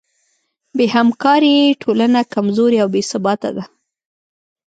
بېهمکارۍ ټولنه کمزورې او بېثباته ده.